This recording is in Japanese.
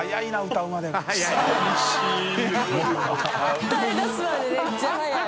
歌い出すまでめっちゃ早い。）